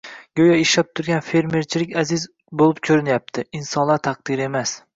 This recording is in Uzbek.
go‘yo «ishlab turgan» fermerchilik aziz bo‘lib ko‘rinyapti, insonlar taqdiri emas.